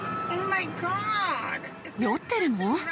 酔ってるの？